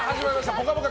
「ぽかぽか」